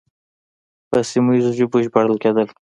په سیمه ییزو ژبو ژباړل کېدل